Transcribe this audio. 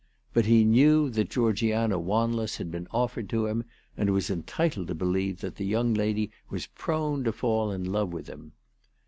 But he knew that Georgiana Wanless had been offered to him, and was entitled to believe that the young lady was prone to fall in love with him.